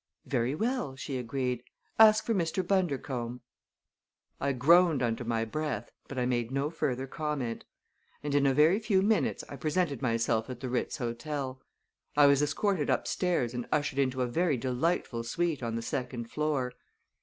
"Very well," she agreed. "Ask for Mr. Bundercombe." I groaned under my breath, but I made no further comment; and in a very few minutes I presented myself at the Ritz Hotel. I was escorted upstairs and ushered into a very delightful suite on the second floor.